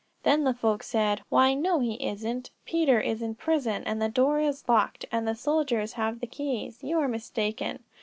Then the folks said: 'Why, no, he isn't; Peter is in prison, and the door is locked, and the soldiers have the keys. You are mistaken.'